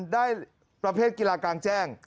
ได้ประเภทกีฬากลางแจ้ง